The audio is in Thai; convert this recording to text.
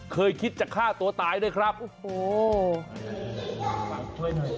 เคยคิดจะฆ่าตัวตายด้วยครับโอ้โห